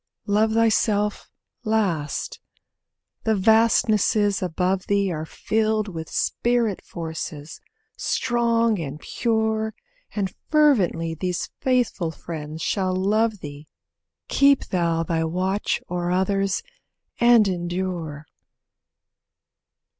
Love thyself last. The vastnesses above thee Are filled with Spirit Forces; strong and pure And fervently these faithful friends shall love thee Keep thou thy watch o'er others and endure.